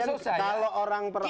nah kemudian kalau orang per orang